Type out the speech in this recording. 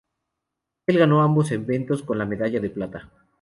Él ganó ambos eventos con medalla de plata.